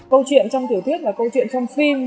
câu chuyện trong tiểu thuyết là câu chuyện trong phim